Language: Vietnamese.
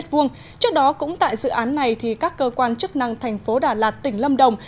trước đó cũng tại dự án này các cơ quan chức năng tp đà lạt tỉnh lâm đồng